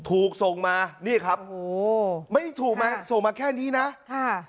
ถูกส่งมานี่ครับโอ้ไม่ได้ถูกมาส่งมาแค่นี้นะค่ะ